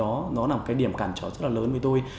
nên đó là một cái điểm cản trở rất là lớn với tôi